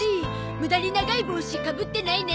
ムダに長い帽子かぶってないね！